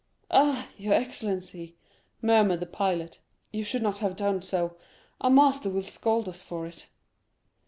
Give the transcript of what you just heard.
"Ah, your excellency," murmured the pilot, "you should not have done so; our master will scold us for it."